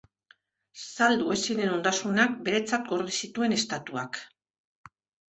Saldu ez ziren ondasunak beretzat gorde zituen Estatuak.